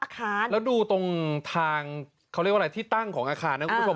แล้วดูตรงทางเขาเรียกว่าอะไรที่ตั้งของอาคารนะคุณผู้ชม